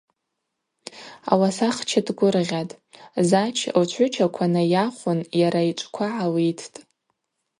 Ауасахча дгвыргъьатӏ, Зач лчгӏвычаква найахвын йара йчӏвква гӏалиттӏ.